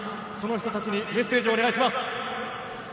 その人たちにメッセージをお願いします。